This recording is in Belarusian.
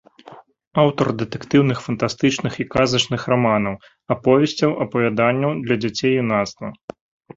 Аўтар дэтэктыўных, фантастычных і казачных раманаў, аповесцяў, апавяданняў для дзяцей і юнацтва.